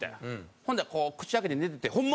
ほんでこう口開けて寝ててホンマ